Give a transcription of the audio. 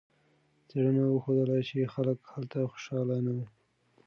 څېړنو وښودله چې خلک هلته خوشحاله نه وو.